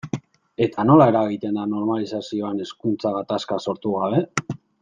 Eta nola eragiten da normalizazioan hizkuntza gatazkarik sortu gabe?